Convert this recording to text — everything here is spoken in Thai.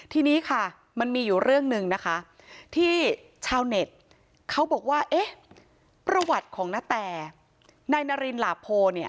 ทีนี้ค่ะมันมีอยู่เรื่องหนึ่งนะคะที่ชาวเน็ตเขาบอกว่าเอ๊ะประวัติของนาแตนายนารินหลาโพเนี่ย